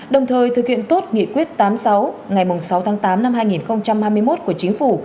đồng thời thực hiện tốt nghị quyết tám mươi sáu ngày sáu tháng tám năm hai nghìn hai mươi một của chính phủ